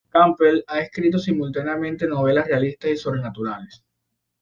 Campbell ha escrito simultáneamente novelas realistas y sobrenaturales.